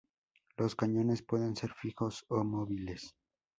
Los cañones pueden ser fijos o móviles.